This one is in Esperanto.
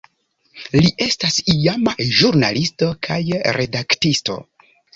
Li estas iama ĵurnalisto kaj redaktisto.